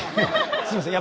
すいません